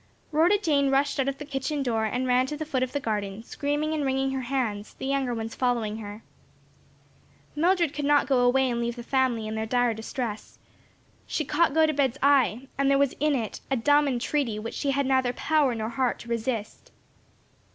Rhoda Jane rushed out of the kitchen door, and ran to the foot of the garden, screaming and wringing her hands, the younger ones following her. Mildred could not go away and leave the family in their dire distress. She caught Gotobed's eye, and there was in it a dumb entreaty which she had neither power nor heart to resist.